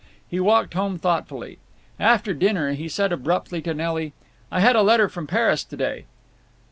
He walked home thoughtfully. After dinner he said abruptly to Nelly, "I had a letter from Paris to day."